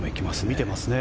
見てますね。